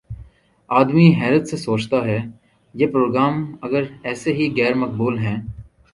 آدمی حیرت سے سوچتا ہے: یہ پروگرام اگر ایسے ہی غیر مقبول ہیں